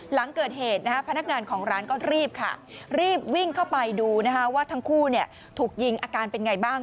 หลังเกิดเหตุพนักงานของร้านก็รีบค่ะรีบวิ่งเข้าไปดูว่าทั้งคู่ถูกยิงอาการเป็นไงบ้าง